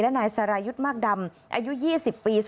และนายสรายุทธ์มากดำอายุ๒๐ปี